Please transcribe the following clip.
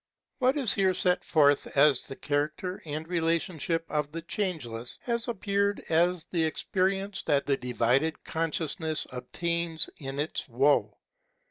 What is here set forth as the character and relationship of the Changeless has appeared as the experience that the divided consciousness obtains in its woe.